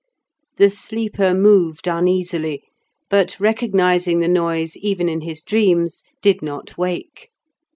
The sleeper moved uneasily, but recognising the noise even in his dreams, did not wake.